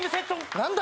何だ